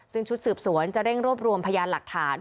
ซึ่งชุดสืบสวนจะเร่งรวบรวมพยานหลักฐาน